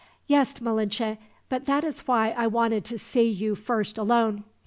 "Yes, Malinche; but that is why I wanted to see you first alone.